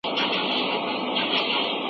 که د هويت بحران راسي نو ټولنه پاشل کېږي.